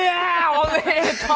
おめでとう！